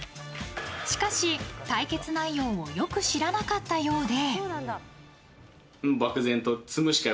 しかし、対決内容をよく知らなかったようで。